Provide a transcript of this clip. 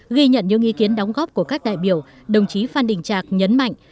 ghi nhận những ý kiến đóng góp của các đại biểu đồng chí phan đình trạc nhấn mạnh